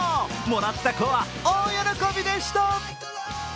もらった子は大喜びでした。